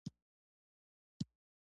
عینو مېنې ته ولاړو.